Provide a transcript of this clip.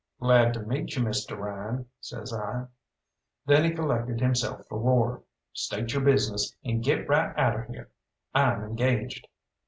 "Glad to meet you, Mr. Ryan," says I. Then he collected himself for war. "State your business, and get right out of here. I'm engaged!"